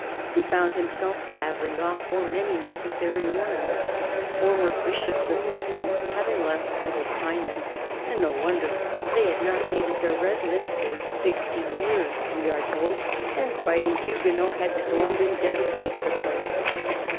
He found himself badly off" for many necessary ornaments, former bishops of Lugon having left little behind them. And no wonder : they had not made it their residence for sixty years, we are told, and fighting Huguenots had stormed and devastated the place.